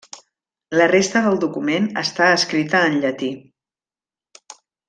La resta del document està escrita en llatí.